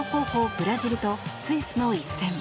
ブラジルとスイスの一戦。